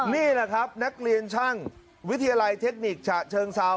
นี่แหละครับนักเรียนช่างวิทยาลัยเทคนิคฉะเชิงเซา